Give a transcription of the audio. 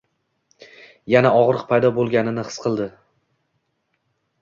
Yana og‘riq paydo bo‘lganini his qildi.